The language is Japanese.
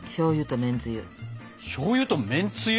しょうゆとめんつゆ。